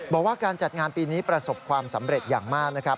บอกว่าการจัดงานปีนี้ประสบความสำเร็จอย่างมากนะครับ